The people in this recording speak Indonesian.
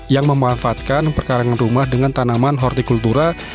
yang memanfaatkan perkarangan rumah dengan tanaman hortikultura